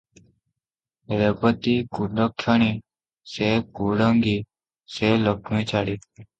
ରେବତୀ କୁଲକ୍ଷଣୀ, ସେ କୁଢଙ୍ଗୀ, ସେ ଲକ୍ଷ୍ମୀଛାଡ଼ୀ।